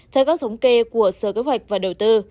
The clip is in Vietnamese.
theo các thống kê của sở kế hoạch và đầu tư